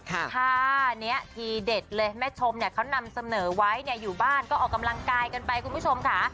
ท่านี้ทีเด็ดเลยแม่ชมเนี่ยเขานำเสนอไว้เนี่ยอยู่บ้านก็ออกกำลังกายกันไปคุณผู้ชมค่ะ